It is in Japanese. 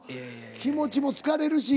気持ちも疲れるし。